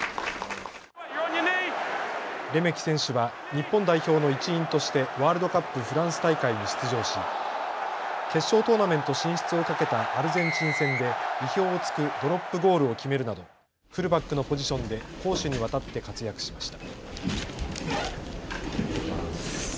レメキ選手は日本代表の一員としてワールドカップフランス大会に出場し決勝トーナメント進出をかけたアルゼンチン戦で意表をつくドロップゴールを決めるなどフルバックのポジションで攻守にわたって活躍しました。